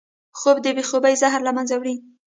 خوب د بې خوبۍ زهر له منځه وړي